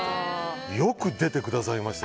よく出てくださいました